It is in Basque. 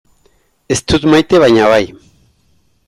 Ez dut maite baina bai.